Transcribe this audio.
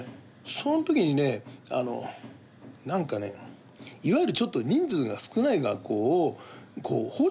そのときにねあのなんかねいわゆるちょっと人数が少ない学校をこう補助をするみたいなね